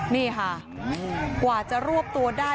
นี่ค่ะกว่าจะรวบตัวได้